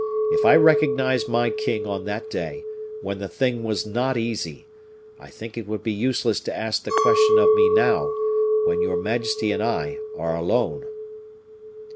If I recognized my king on that day, when the thing was not easy, I think it would be useless to ask the question of me now, when your majesty and I are alone."